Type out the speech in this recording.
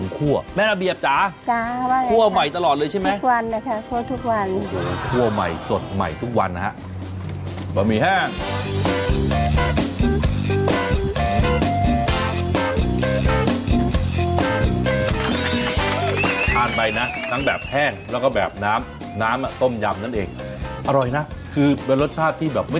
ก๋วยเตี๋ยวของเรานี่เป็นสไตล์ที่แบบแบบไหนเป็นสูตรโบราณเหรอใช่